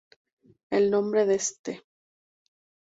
El nombre de St.